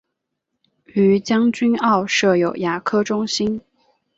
于将军澳设有牙科中心。